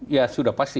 ya sudah pasti